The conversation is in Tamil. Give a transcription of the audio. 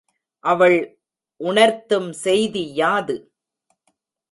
அவள் உணர்த்தும் செய்தி யாது?